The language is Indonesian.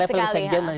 itu teknis sekali